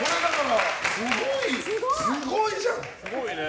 すごいじゃん！